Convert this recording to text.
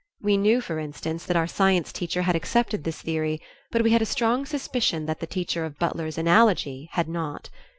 We knew, for instance, that our science teacher had accepted this theory, but we had a strong suspicion that the teacher of Butler's "Analogy" had not.